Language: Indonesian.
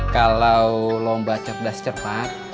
kalau lomba cerdas cepat